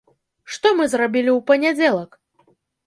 Што мы зрабілі ў панядзелак?